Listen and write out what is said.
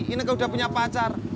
ineke udah punya pacar